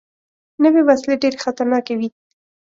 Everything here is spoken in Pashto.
نوې وسلې ډېرې خطرناکې وي